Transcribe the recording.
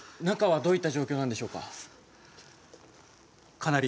中はどういった状況なんでしょうか？